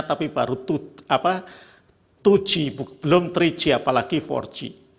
tapi baru dua g belum tiga g apalagi empat g